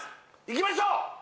いきましょう！